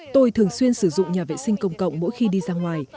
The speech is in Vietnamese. tôi thường xuyên sử dụng nhà vệ sinh công cộng mỗi khi đi ra ngoài